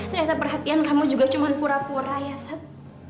ternyata perhatian kamu juga cuma pura pura ya sat